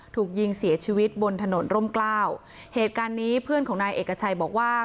ถูกยิงเสียชีวิตบนถนนร่มกล้าวเหตุการณ์นี้เพื่อนของนายเอกชัยบอกว่า